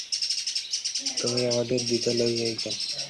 তুমি আপনার দ্বিধা লইয়াই গেলে।